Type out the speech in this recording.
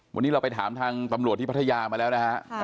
วันนี้เราไปถามทางตำรวจที่พัทยามาแล้วนะฮะ